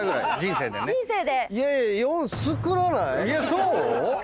そう？